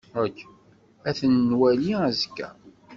Ad nemwali azekka.